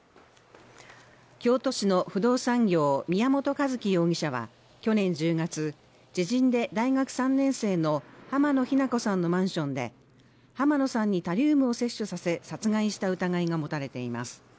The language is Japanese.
京都市の不動産業宮本一希容疑者は去年１０月、知人で大学３年生の濱野日菜子さんのマンションで、濱野さんにタリウムを摂取させ殺害した疑いが持たれています。